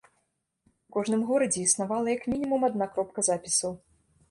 У кожным горадзе існавала як мінімум адна кропка запісаў.